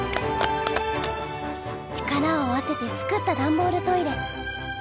力を合わせて作った段ボールトイレ。